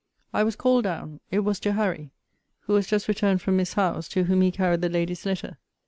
I was called down: it was to Harry, who was just returned from Miss Howe's, to whom he carried the lady's letter.